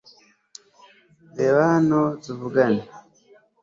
reba hano tuvugane